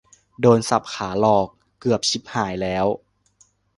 โดน สับขาหลอก เกือบชิบหายแล้ว